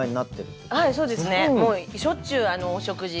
はいそうですねしょっちゅうお食事。